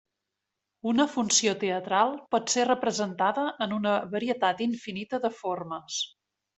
Una funció teatral pot ser representada en una varietat infinita de formes.